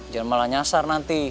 jangan malah nyasar nanti